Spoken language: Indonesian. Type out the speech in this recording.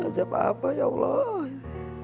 siapa apa ya allah